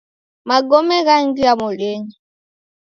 Magome ghangia modenyi.